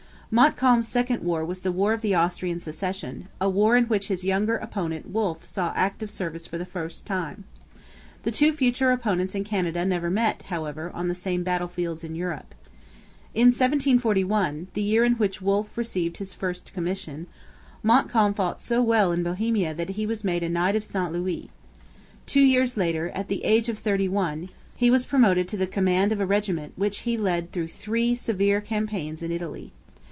Montcalm's second war was the War of the Austrian Succession, a war in which his younger opponent Wolfe saw active service for the first time. The two future opponents in Canada never met, however, on the same battlefields in Europe. In 1741, the year in which Wolfe received his first commission, Montcalm fought so well in Bohemia that he was made a Knight of St Louis. Two years later, at the age of thirty one, he was promoted to the command of a regiment which he led through three severe campaigns in Italy.